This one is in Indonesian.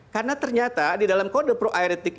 karena ternyata di dalam kode pro aeretik